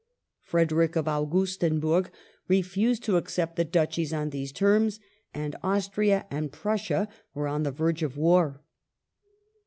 Frederick of Augustenburg refused to accept the Duchies on these terms, and Austria and Prussia were on the verge of war.